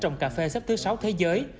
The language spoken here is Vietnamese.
trồng cà phê sắp thứ sáu thế giới